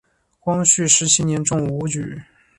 光绪十七年中武举。